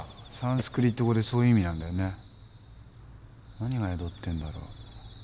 何が宿ってんだろう？